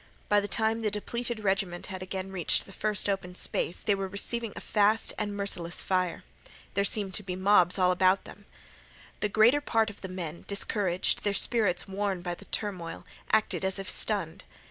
By the time the depleted regiment had again reached the first open space they were receiving a fast and merciless fire. There seemed to be mobs all about them. The greater part of the men, discouraged, their spirits worn by the turmoil, acted as if stunned.